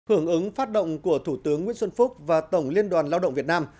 hưởng ứng phát động của thủ tướng nguyễn xuân phúc và tổng liên đoàn lao động việt nam